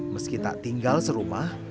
meski tak tinggal serumah